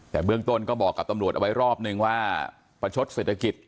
แต่เบื้องต้นก็บอกกับตำรวจเอาไว้รอบนึงว่าประชดเศรษฐกิจ